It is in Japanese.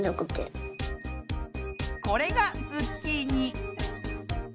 これがズッキーニ。